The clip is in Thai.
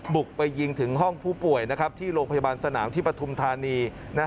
บุกไปยิงถึงห้องผู้ป่วยที่โรงพยาบาลสนามที่ปฐุมธานี